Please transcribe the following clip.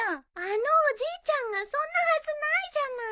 あのおじいちゃんがそんなはずないじゃない。